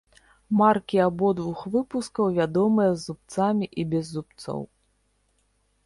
Маркі абодвух выпускаў вядомыя з зубцамі і без зубцоў.